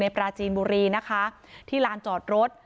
ปราจีนบุรีนะคะที่ลานจอดรถ